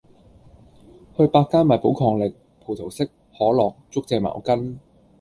去百佳買寶礦力，葡萄式，可樂，竹蔗茅根